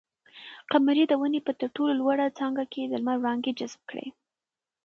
قمرۍ د ونې په تر ټولو لوړه څانګه کې د لمر وړانګې جذب کړې.